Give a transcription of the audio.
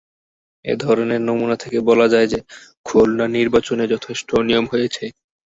এ ধরনের নমুনা থেকে বলা যায় যে খুলনা নির্বাচনে যথেষ্ট অনিয়ম হয়েছে।